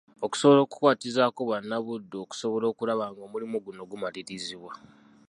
Okusobola okukwatizaako bannabuddu okusobola okulaba ng'omulimu guno gumalirizibwa.